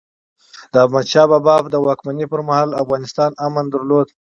د احمد شاه بابا د واکمنۍ پرمهال، افغانستان امن درلود.